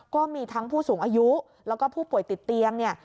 ก็มีทั้งผู้สูงอายุแล้วก็ผู้ป่วยติดเตียงเนี่ย